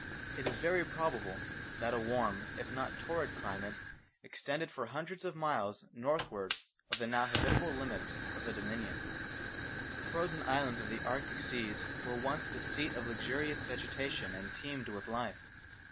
It is very probable that a warm if not a torrid climate extended for hundreds of miles northward of the now habitable limits of the Dominion. The frozen islands of the Arctic seas were once the seat of luxurious vegetation and teemed with life.